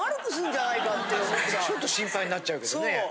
ちょっと心配になっちゃうけどね。